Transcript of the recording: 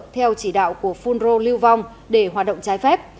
theo chỉ đạo của phun rô lưu vong để hoạt động trái phép